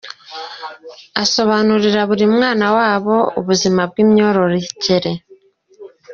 Asobanurira buri mwana wabo ubuzima bw’imyororokere.